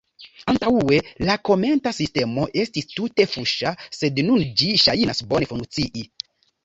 Antaŭe la komenta sistemo estis tute fuŝa sed nun ĝi ŝajnas bone funkcii.